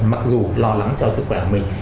mặc dù lo lắng cho sức khỏe của mình